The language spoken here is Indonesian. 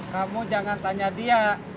kamu jangan tanya dia